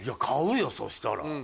買うよそしたら。